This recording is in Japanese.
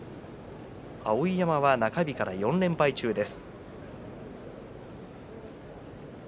碧山は中日から４連敗中です。